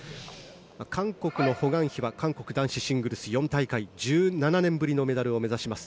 韓国のホ・グァンヒは韓国男子シングルス４大会１７年ぶりのメダルを目指します。